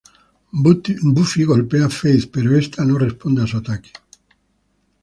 Buffy golpea a Faith pero esta no responde a su ataque.